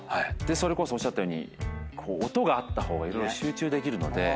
それこそおっしゃたように音があった方が色々集中できるので。